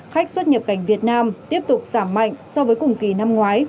khách xuất nhập cảnh việt nam tiếp tục giảm mạnh so với cùng kỳ năm ngoái